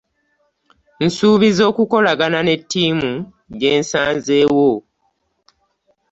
Nsuubiza okukolagana ne ttiimu gye nsanzeewo